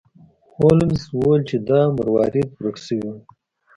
هولمز وویل چې دا مروارید ورک شوی و.